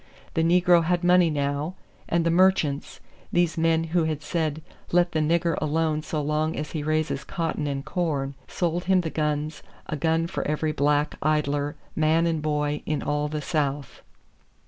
The negro had money now, and the merchants—these men who had said let the nigger alone so long as he raises cotton and corn—sold him the guns, a gun for every black idler, man and boy, in all the South.